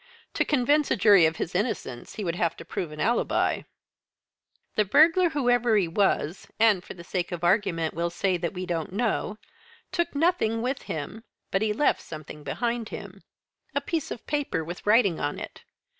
To convince a jury of his innocence he would have to prove an alibi." "The burglar, whoever it was and for the sake of argument we'll say that we don't know took nothing with him, but he left something behind him, a piece of paper with writing on it.